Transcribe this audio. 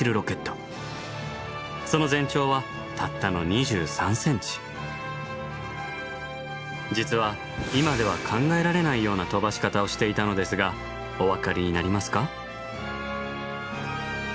こちらが実は今では考えられないような飛ばし方をしていたのですがお分かりになりますか？